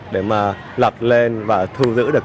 để mà lập lên và thu giữ được